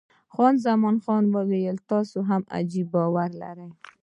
خان زمان وویل، تاسې هم عجبه باور لرئ.